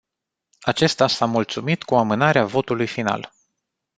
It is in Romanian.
Acesta s-a mulțumit cu amânarea votului final.